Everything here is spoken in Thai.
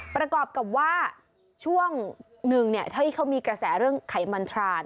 ประกอบกับว่าช่วงหนึ่งที่เขามีกระแสเรื่องไขมันทราน